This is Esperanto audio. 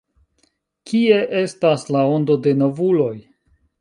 Kie estas la ondo de novuloj?